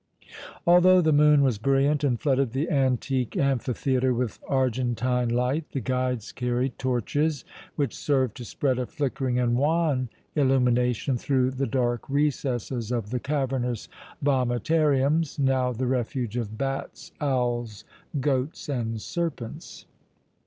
Although the moon was brilliant and flooded the antique amphitheatre with argentine light, the guides carried torches, which served to spread a flickering and wan illumination through the dark recesses of the cavernous vomitariums, now the refuge of bats, owls, goats and serpents.